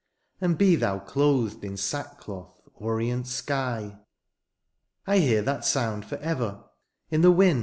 And be thou clothed in sackcloth, orient sky. I hear that sound for ever — ^in the wind.